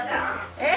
えっ！